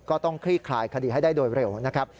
ก็ต้องคลี่ขายคดีให้ได้โดยเร็วนะครับ